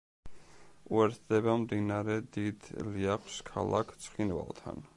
უერთდება მდინარე დიდ ლიახვს ქალაქ ცხინვალთან.